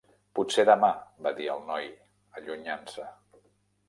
"Potser demà", va dir el noi allunyant-se.